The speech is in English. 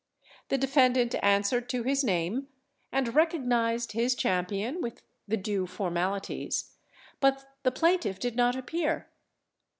The defendant answered to his name, and recognised his champion with the due formalities, but the plaintiff did not appear.